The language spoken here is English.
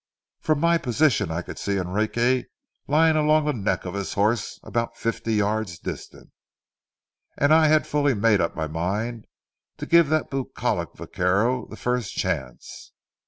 From my position I could see Enrique lying along the neck of his horse about fifty yards distant; and I had fully made up my mind to give that bucolic vaquero the first chance.